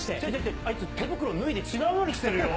あいつ、手袋脱いで違うのにしてるよ。